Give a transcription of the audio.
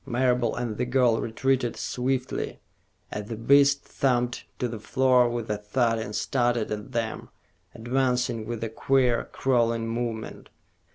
Marable and the girl retreated swiftly, as the beast thumped to the floor with a thud and started at them, advancing with a queer, crawling movement.